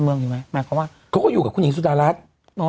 เมืองอยู่ไหมแหมเพราะว่าเขาก็อยู่กับคุณหญิงสุดาลักษณ์อ๋อ